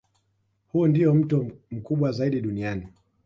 Huu ndio mto mkubwa zaidi duniani